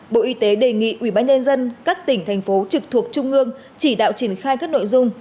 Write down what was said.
bộ y tế đề nghị ủy ban nhân dân các tỉnh thành phố trực thuộc trung ương chỉ đạo triển khai các nội dung